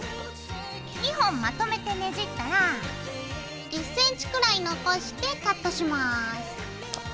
２本まとめてねじったら１ｃｍくらい残してカットします。